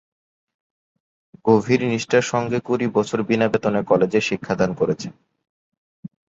গভীর নিষ্ঠার সঙ্গে কুড়ি বছর বিনা বেতনে কলেজে শিক্ষাদান করেছেন।